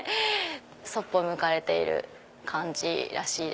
そっぽを向かれている感じらしい。